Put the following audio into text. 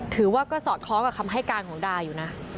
ถือว่าก็สอดคล้องกับคำให้การของดาอยู่นะ